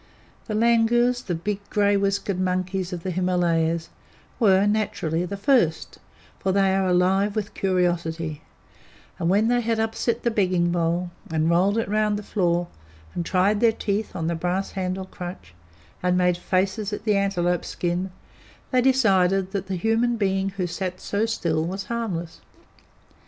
The langurs, the big gray whiskered monkeys of the Himalayas, were, naturally, the first, for they are alive with curiosity; and when they had upset the begging bowl, and rolled it round the floor, and tried their teeth on the brass handled crutch, and made faces at the antelope skin, they decided that the human being who sat so still was harmless.